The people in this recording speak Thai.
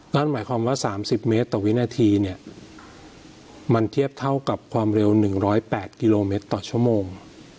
นั่นหมายความว่า๓๐เมตรต่อวินาทีเนี่ยมันเทียบเท่ากับความเร็ว๑๐๘กิโลเมตรต่อชั่วโมง